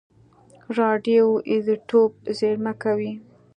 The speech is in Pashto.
راډیو ایزوتوپ زېرمه کوي.